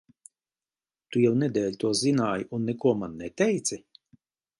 Tu jau nedēļu to zināji, un neko man neteici?